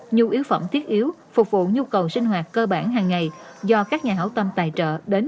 nhu yếu phẩm thiết yếu phục vụ nhu cầu sinh hoạt cơ bản hàng ngày do các nhà hảo tâm tài trợ đến